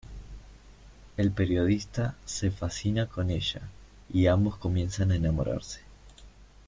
El periodista se fascina con ella y ambos comienzan a enamorarse.